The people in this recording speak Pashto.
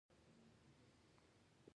پښتو زموږ د نیکونو ژبه ده.